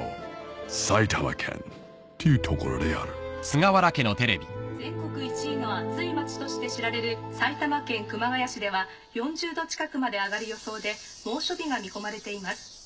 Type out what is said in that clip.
ついに。全国１位の暑い町として知られる埼玉県熊谷市では４０℃近くまで上がる予想で猛暑日が見込まれています。